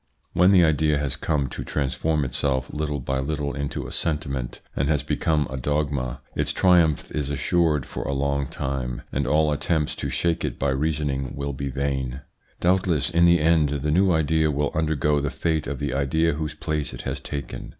When the idea has come to transform itself little by little into a sentiment, and has become a dogma, its triumph is assured for a long time, and all attempts to shake it by reasoning will be vain. Doubtless in the end the new idea will undergo the fate of the idea whose place it has taken.